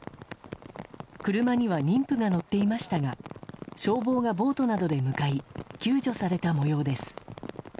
車には妊婦が乗っていましたが消防がボートなどで向かい救助された模様です。